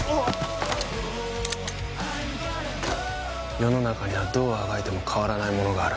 世の中にはどうあがいても変わらないものがある。